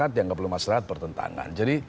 yang dianggap oleh masyarakat bertentangan